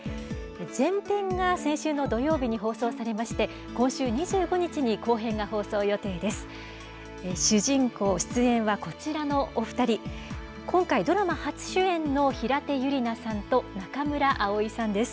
前編が先週の土曜日に放送されまして、今週２５日に後編が放送予定です。